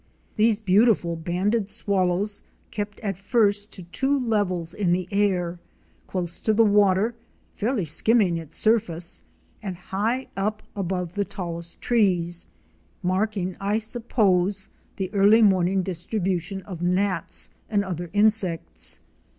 These beautiful Banded Swallows ™ kept at first to two levels in the air; close to the water, fairly skimming its surface, and high up above the tallest trees — marking I suppose the early morning distribution of gnats and other insects.